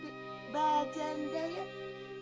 ばあちゃんだよ。